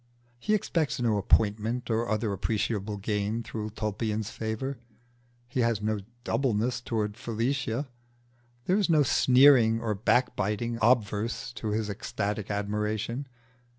He expects no appointment or other appreciable gain through Tulpian's favour; he has no doubleness towards Felicia; there is no sneering or backbiting obverse to his ecstatic admiration.